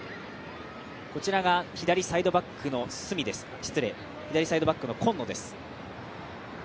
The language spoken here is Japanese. こちらが左サイドバックの今野です。